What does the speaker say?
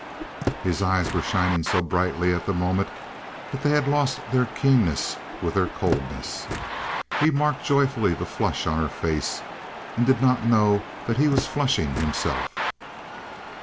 His eyes were shining so brightly at the moment that they had lost their keenness with their coldness. He marked joyfully the flush on her face, and did not know that he was flushing himself.